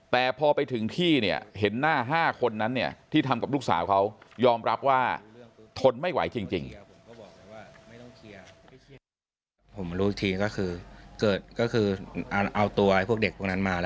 แต่พอไปถึงที่เนี่ยเห็นหน้า๕คนนั้นเนี่ยที่ทำกับลูกสาวเขายอมรับว่าทนไม่ไหวจริง